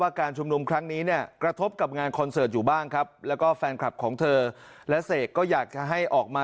เอาฟังพี่เสกบอกนะฮะ